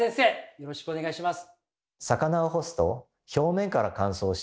よろしくお願いします。